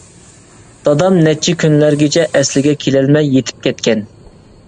دادام نەچچە كۈنلەرگىچە ئەسلىگە كېلەلمەي يېتىپ كەتكەن.